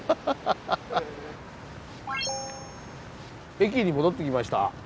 駅に戻ってきました。